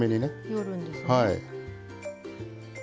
盛るんですね。